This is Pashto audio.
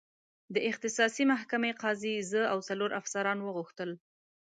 د اختصاصي محکمې قاضي زه او څلور افسران وغوښتل.